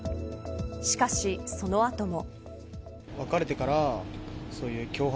しかし、その後も。